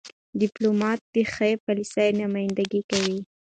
. ډيپلومات د ښې پالیسۍ نمایندګي کوي.